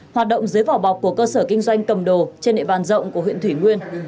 hoạt động dưới vỏ bọc của cơ sở kinh doanh cầm đồ trên địa bàn rộng của huyện thủy nguyên